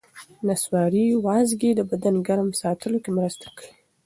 نسواري وازګې د بدن ګرم ساتلو کې مرسته کوي.